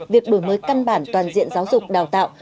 việc đổi mới căn bản toàn diện giáo dục đào tạo